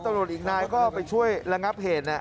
ตำรวจอีกนายก็ไปช่วยระงับเหตุ